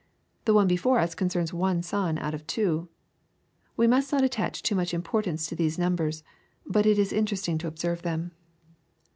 The one before us concerns one son out of two. We must not attach too much importance to these numbers. But it is interesting to observe them.